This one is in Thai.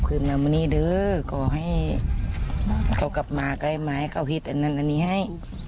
ขอให้เขากลับมาไกลมาให้เขาพีดอันนั้นอันนี้ให้